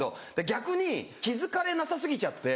逆に気付かれなさ過ぎちゃって。